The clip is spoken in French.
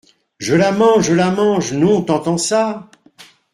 Je la mange ! je la mange ! non, t’entends ça ?